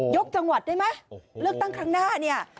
ยกจังหวัดได้ไหมโอ้โหเลิกตั้งครั้งหน้าเนี่ย